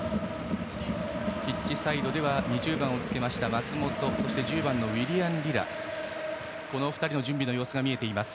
ピッチサイドでは２０番の松本そして１０番のウィリアン・リラこの２人の準備の様子が見えています。